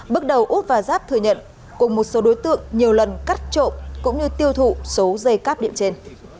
bước đầu út và giáp thừa nhận cùng một số đối tượng nhiều lần cắt trộm cũng như tiêu thụ số dây cắp điện trên